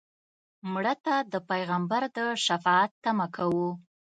مړه ته د پیغمبر د شفاعت تمه کوو